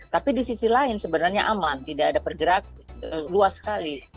tapi di sisi lain sebenarnya aman tidak ada pergerakan luas sekali